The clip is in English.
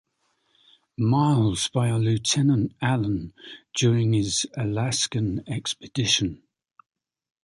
Miles by a Lieutenant Allen during his Alaska expedition.